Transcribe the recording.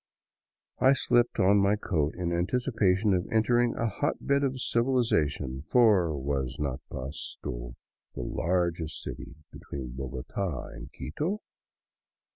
I slipped on my coat in anticipation of entering a hotbed of civilization, for was not Pasto the largest city between Bogota |and Quito?